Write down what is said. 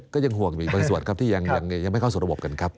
ก็ยังห่วงอีกบางส่วนครับที่ยังไม่เข้าสู่ระบบกันครับ